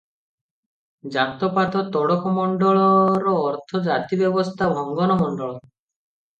"ଜାତ-ପାତ ତୋଡ଼କ ମଣ୍ଡଳ"ର ଅର୍ଥ ଜାତି ବ୍ୟବସ୍ଥା ଭଙ୍ଗନ ମଣ୍ଡଳ ।"